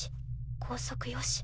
校則よし。